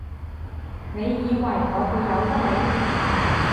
你以為我會由得你？